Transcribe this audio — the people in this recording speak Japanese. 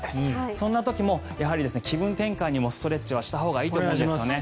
そんな時もやはり気分転換にもストレッチはしたほうがいいと思うんですよね。